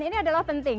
ini adalah penting